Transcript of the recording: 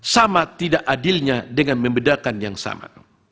sama tidak adilnya dengan membedakan yang sama